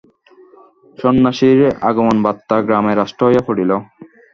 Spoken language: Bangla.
সন্ন্যাসীর আগমনবার্তা গ্রামে রাষ্ট্র হইয়া পড়িল।